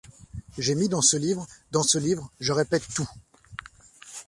J’ai mis dans ce livre… dans ce livre, je répète, tout…